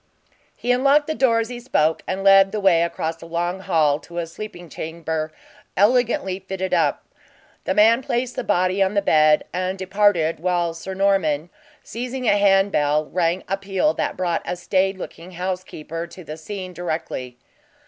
He unlocked the door as he spoke, and led the way across a long hall to a sleeping chamber, elegantly fitter up. The man placed the body on the bed and departed while Sir Norman, seizing a handbell, rang a peal that brought a staid looking housekeeper to the scene directly.